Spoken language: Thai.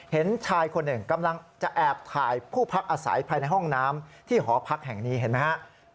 เห็นชายคนหนึ่งกำลังจะแอบถ่ายผู้พักอาศัยภายในห้องน้ำที่หอพักแห่งนี้เห็นไหมฮะ